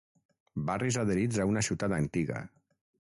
Barris adherits a una ciutat antiga.